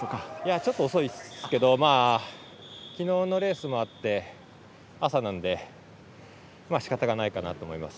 ちょっと遅いですけど昨日のレースもあって朝なのでまあしかたがないかなと思います。